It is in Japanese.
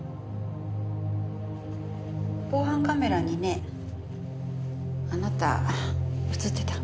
防犯カメラにねあなた映ってた。